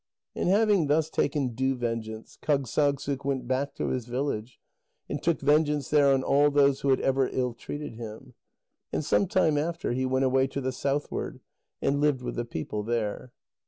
And having thus taken due vengeance, Kâgssagssuk went back to his village, and took vengeance there on all those who had ever ill treated him. And some time after, he went away to the southward, and lived with the people there.